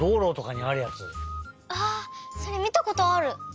それみたことある。